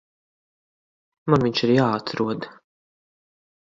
Man viņš ir jāatrod.